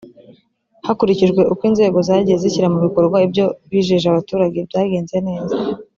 hakurikijwe uko inzego zagiye zishyira mubikorwa ibyo bijeje abaturage byagenze neza